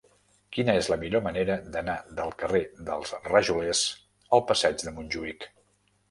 Quina és la millor manera d'anar del carrer dels Rajolers al passeig de Montjuïc?